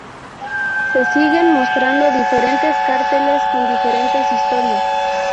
Se siguen mostrando diferentes carteles con diferentes historias.